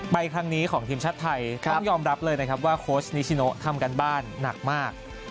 ครั้งนี้ของทีมชาติไทยต้องยอมรับเลยนะครับว่าโค้ชนิชิโนทำการบ้านหนักมาก